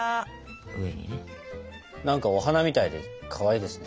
何かお花みたいでかわいいですね。